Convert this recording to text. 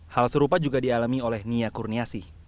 hal serupa juga dialami oleh nia kurniasi